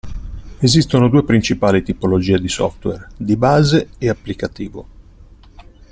Esistono due principali tipologie di software: di base e applicativo.